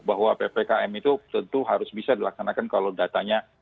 bahwa ppkm itu tentu harus bisa dilaksanakan kalau datanya